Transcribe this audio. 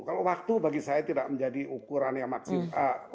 kalau waktu bagi saya tidak menjadi ukuran yang maksimal